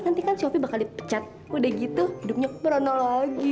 nanti kan si opi bakal dipecat udah gitu hidupnya berana lagi